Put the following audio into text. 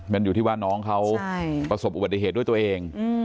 มันอยู่ที่ว่าน้องเขาประสบอุบัติเหตุด้วยตัวเอง